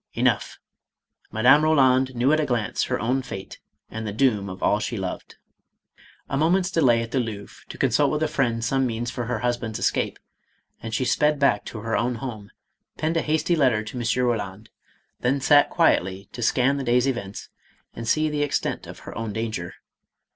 Enough. ! Madame Roland knew at a glance her own fate, and the doom of all she loved. A moment's delay at the Louvre to consult with a friend same means for her husband's escape, and she sped back to her own home, penned a hasty letter to M. Roland, then sat quietly to scan the day's events and see the extent of her own danger.